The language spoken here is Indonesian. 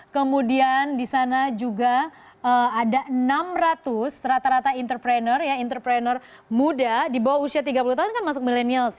kemudian di sana juga ada enam ratus rata rata entrepreneur ya entrepreneur muda di bawah usia tiga puluh tahun kan masuk millennials